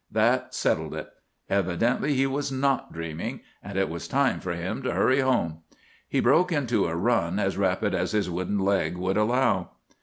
That settled it. Evidently he was not dreaming, and it was time for him to hurry home. He broke into a run as rapid as his wooden leg would allow.